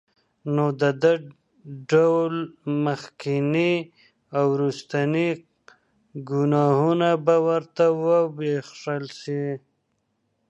نو د ده ټول مخکيني او وروستني ګناهونه به ورته وبخښل شي